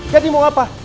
jadi mau apa